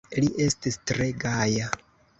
Li estis tre gaja.